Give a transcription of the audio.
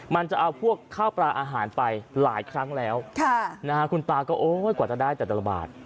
มันจะเอาพวกข้าวปลาอาหารไปหลายครั้งแล้วคุณตาก็โอ๊ยกว่าจะได้แต่ละบาท